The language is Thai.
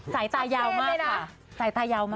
สายตายาวมากค่ะ